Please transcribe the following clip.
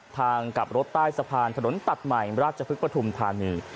ทางกลับรถใต้สะพานถนนตัดใหม่ราชพฤกษุมธานี